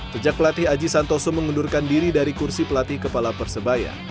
sejak pelatih aji santoso mengundurkan diri dari kursi pelatih kepala persebaya